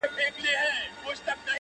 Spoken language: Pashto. • سر مي بلند دی.